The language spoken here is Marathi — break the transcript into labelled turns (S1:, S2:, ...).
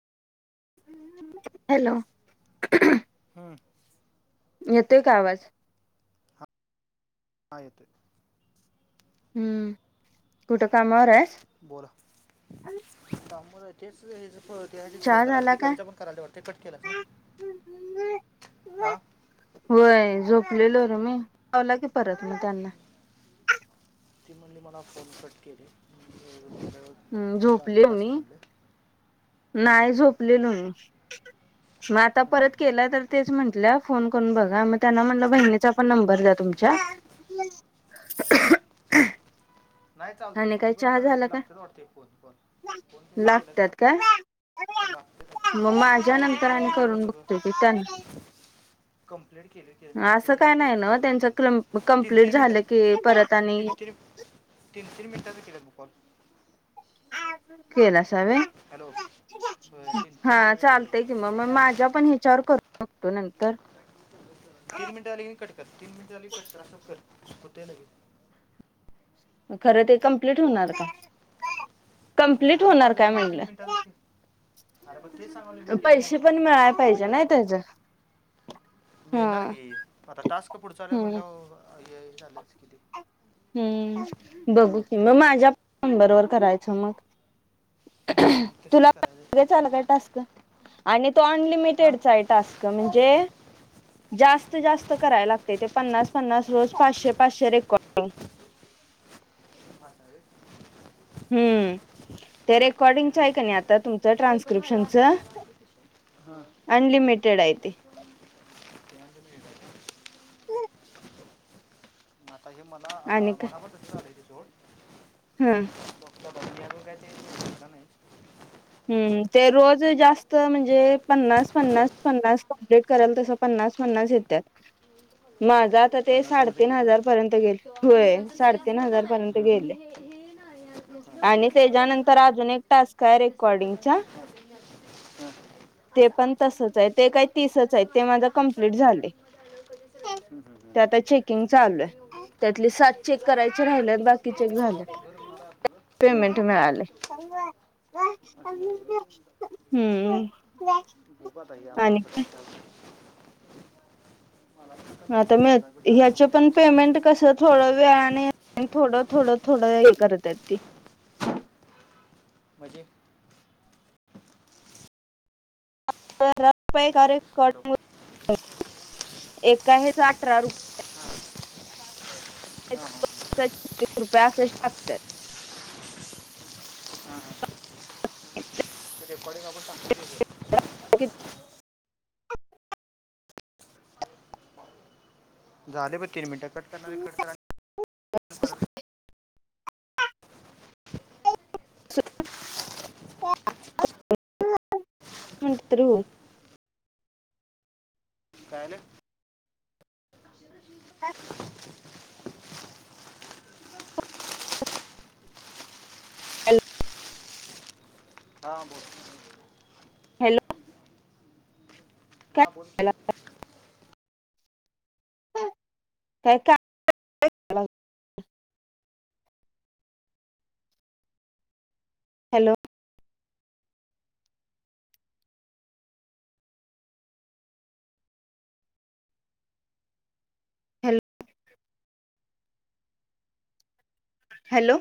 S1: हॅलो
S2: हम्म,
S1: येतोय का आवाज?
S2: हा यतोय.
S1: हम्म कुठं कामावर आहेस?
S2: बोला कामावर आहे तेच हेज हो तेच्यासाठीच फोन
S1: चहा
S2: करालती
S1: झाला काय
S2: कविता पण करालती वाटते कट केलास ना हा.
S1: होय झोपलेलो रे मी लावला की परत म त्यांना.
S2: ती म्हणली मला फोन कट केले [unintelligible]
S1: हम्म
S2: फोन
S1: झोपलेलो
S2: दाजीकड
S1: मी
S2: असल म्हणलं हम हम.
S1: लेलो मी म आता परत केला तर तेच म्हंटल्या फोन करून बघा मग त्यांना म्हटलं बहिणीचा पण नंबर द्या तुमच्या
S2: हम. नाही चालतय
S1: आणि
S2: किती
S1: काय
S2: पण
S1: चहा
S2: आता
S1: झाला का
S2: लागत्यात वाटत फोन कॉल फोन पन
S1: लागतात
S2: केला
S1: काय?
S2: लागत्यात
S1: मग
S2: आता ते
S1: माझ्या
S2: तिच्यावर
S1: नंतर
S2: एकाच
S1: आणि
S2: नंबर वर
S1: करून बघतो की त्यांना
S2: सगळं. कंप्लेट केलोय की मी आता
S1: असं
S2: त्याच्या
S1: काय
S2: हेच्यावर
S1: नाही ना
S2: करून
S1: त्यांच
S2: गेलं तीन
S1: कंप्लीट
S2: तीन मिनिटं
S1: झालं की परत आणि
S2: तीन तीन, तीन तीन मिनिटांचं केल्यात ब कॉल.
S1: केलासा व्हय
S2: हॅलो तीन तीन
S1: हा
S2: मिनटाचं केलं बघ
S1: चालतय की म. म म माझ्या पण ह्याच्यावर करून बघतो नंतर.
S2: तीन मिनिटं झाली कने कट कर तीन मिनिटं झाली कट कर अस कर होतय लगेच.
S1: खरं ते कमप्लीट
S2: हॅलो
S1: होणार का? कम्प्लीट
S2: झालं
S1: होणार
S2: माझं
S1: काय
S2: नव मी तीन
S1: म्हणलं
S2: मिनिटांचच केल. अरे म तेच सांगालोय मी केलं
S1: पैसे
S2: नव्ह तीन
S1: पण
S2: म
S1: मिळाय
S2: तीन तीन
S1: पाहिजे
S2: मिनिटाचं
S1: नाही
S2: करून.
S1: त्याच हा
S2: मिळणार की आता टास्क पुढच आल्यात
S1: हम्म
S2: म्हणल्यावर हे झालंच की ते
S1: हम्म बघू की म माझ्या नंबरवर करायचं मग
S2: हम्म,
S1: तुला
S2: तसंच
S1: [inaudible]
S2: करायचं
S1: आला काय टास्क आणि तो
S2: हां
S1: अनलिमिटेडचा आहे टास्क. क म्हणजे जास्त जास्त कराय लागतय ते पन्नास पन्नास रोज पाचशे पाचशे रेकॉ
S2: [inaudible]
S1: हम्म ते रेकॉर्डिंगचं आहे क नाही आत आता तुमच
S2: हे पण भारी
S1: ट्रान्स्क्रिप्शनच
S2: वाटतात मला
S1: अनलिमिटेड आहे ते.
S2: [inaudible] म आता हे मला आता
S1: आणि
S2: मला पण तसच आलंय ते सोड.
S1: हम्म.
S2: बघतो आता मी अजून काय ते. [inaudible]
S1: हम् ते रोज जास्त म्हणजे पन्नास, पन्नास, पन्नास कमप्लीट करल तस पन्नास पन्नास येत्यात. माझं आता ते
S2: पन्नास पन्नास
S1: साडेतीन
S2: येते
S1: हजार पर्यंत गेले,
S2: तेव्हा मग मी
S1: होय
S2: असं
S1: साडेतीन
S2: सजवेल ना
S1: हजार पर्यंत
S2: हा. मी
S1: गेले.
S2: हे हे ना या- यातलं
S1: आणि
S2: वगैरे
S1: त्याच्यानंतर अजून एक टास्क आहे रे
S2: [unintelligible] अस
S1: ते पण
S2: माझ्या रूम
S1: तसच आहे
S2: मध्ये
S1: ते काही
S2: पण [unintelligible]
S1: तीसच आहे
S2: असं
S1: ते
S2: वाटलं
S1: माझा
S2: लहान बाळ
S1: कंप्लीट
S2: माझ्या
S1: झाले.
S2: रूम मध्ये आलं
S1: ते आता चेकिंग चालू आहे त्यातले सात चेक करायचे राहिलेत बाकी चेक झालेत.
S2: [unintelligible] [unintelligible] हा हा
S1: पेमेंट
S2: हा
S1: मिळाले हम्म आणि
S2: [unintelligible]
S1: आता मंग ह्याच पण पेमेंट कस थोड वेळाने थोडं थोडंथोडं हे करत्यात ते
S2: म्हणजे हॅलो हां
S1: [unintelligible] एक का हेच अठरा रूप [unintelligible] छत्तीस रुपये असेच टाकत्यात.
S2: ते रेकॉर्डिंग आपण चांगल [unintelligible]
S1: [unintelligible]
S2: [inaudible] झाले बघ किती मिनटं कट करनार आहे कट कर आणि परत
S1: तरी होईल
S2: [inaudible] कायलं [inaudible] हां बोल
S1: हॅलो काय
S2: हां बोल की
S1: काय का हॅलो हॅलो हॅलो